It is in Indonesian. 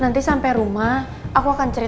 nanti sampe rumah aku akan jemputmu